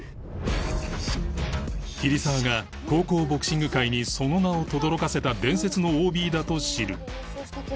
桐沢が高校ボクシング界にその名をとどろかせた伝説の ＯＢ だと知る